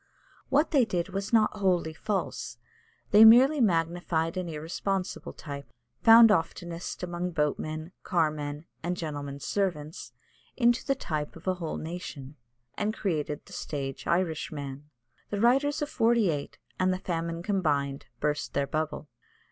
What they did was not wholly false; they merely magnified an irresponsible type, found oftenest among boatmen, carmen, and gentlemen's servants, into the type of a whole nation, and created the stage Irishman. The writers of 'Forty eight, and the famine combined, burst their bubble.